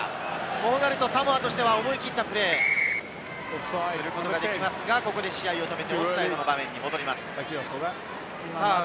こうなるとサモアとしては思い切ったプレーをすることができますが、ここで試合を止めてオフサイドの場面に戻ります。